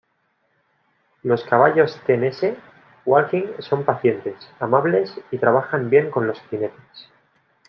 Los caballos Tennessee Walking son pacientes, amables, y trabajan bien con los jinetes.